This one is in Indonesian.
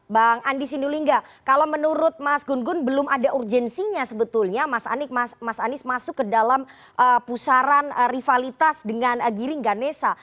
bang andi sindulingga kalau menurut mas gun gun belum ada urgensinya sebetulnya mas anies masuk ke dalam pusaran rivalitas dengan giring ganesa